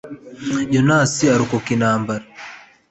yonasi arokoka intambara